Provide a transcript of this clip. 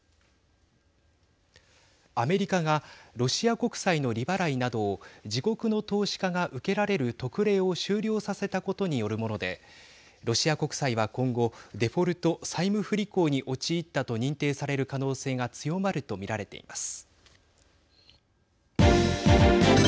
アメリカがロシア国債の利払いなどを自国の投資家が受けられる特例を終了させたことによるものでロシア国債は、今後デフォルト＝債務不履行に陥ったと認定される可能性が強まるとみられています。